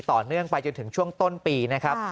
ต่อเนื่องไปจนถึงช่วงต้นปีนะครับ